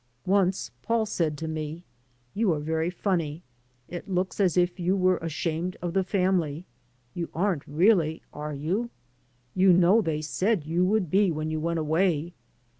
Once Paul said to me: "You are very funny. It looks as if you were ashamed of the family. You aren't really, are you? You know they said you would be when you went away.